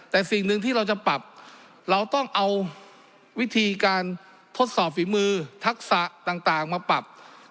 แต่สิ่งหนึ่งที่เราจะปรับเราต้องเอาวิธีการทดสอบฝีมือทักษะต่างมาปรับ